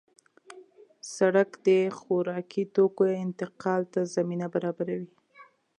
سړک د خوراکي توکو انتقال ته زمینه برابروي.